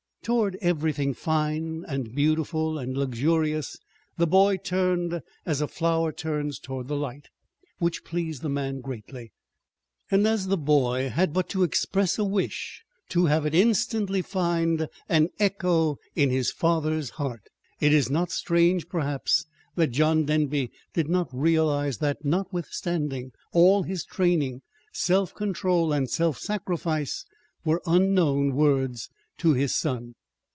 Toward everything fine and beautiful and luxurious the boy turned as a flower turns toward the light, which pleased the man greatly. And as the boy had but to express a wish to have it instantly find an echo in his father's heart, it is not strange, perhaps, that John Denby did not realize that, notwithstanding all his "training," self control and self sacrifice were unknown words to his son.